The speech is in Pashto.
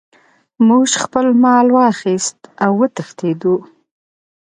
موږ خپل مال واخیست او وتښتیدو.